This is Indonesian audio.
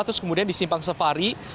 terus kemudian di simpang safari